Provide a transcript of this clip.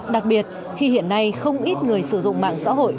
đặc biệt khi hiện nay không ít người sử dụng mạng xã hội